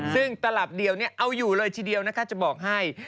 ซึ่งตลับเดียวเนี่ยเอาอยู่เลยทีเดียวจะบอกให้